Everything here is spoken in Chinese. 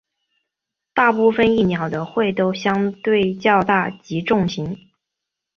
大部份蚁鸟的喙都相对较大及重型。